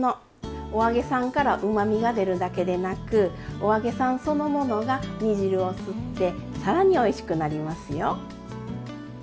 お揚げさんからうまみが出るだけでなくお揚げさんそのものが煮汁を吸って更においしくなりますよ。